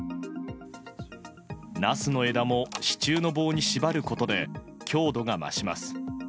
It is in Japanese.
ナスの枝も支柱の棒に縛ることで強度が増します。